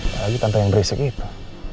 lagi tanpa yang berisik itu